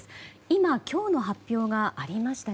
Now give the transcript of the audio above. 今、今日の発表がありました。